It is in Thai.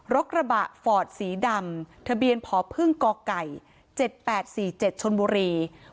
กระบะฟอร์ดสีดำทะเบียนพพ๗๘๔๗ชนบุรี